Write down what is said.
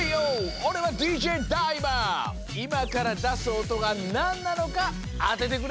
おれはＤＪいまからだすおとがなんなのかあててくれ。